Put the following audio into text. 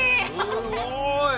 すごい！！